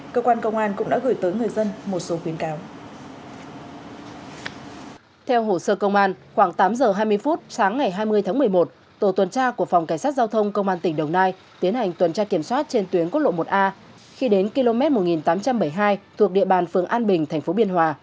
khoảng tám giờ hai mươi phút sáng ngày hai mươi tháng một mươi một tổ tuần tra của phòng cảnh sát giao thông công an tỉnh đồng nai tiến hành tuần tra kiểm soát trên tuyến quốc lộ một a khi đến km một nghìn tám trăm bảy mươi hai thuộc địa bàn phường an bình thành phố biên hòa